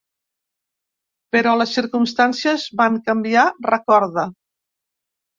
Però les circumstàncies van canviar, recorda.